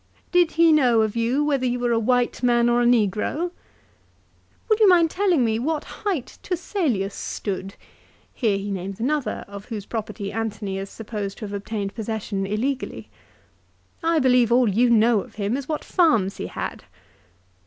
" Did he know of you whether you were a white man or a negro ?"" Would you mind telling me what height Turselius stood ?" Here he names another of whose property Antony is supposed to have obtained possession illegally. " I believe all you know of him is what farms he had."